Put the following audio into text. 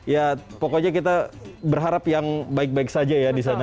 ya pokoknya kita berharap yang baik baik saja ya di sana